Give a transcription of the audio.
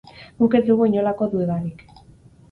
Guk ez dugu inolako dudarik!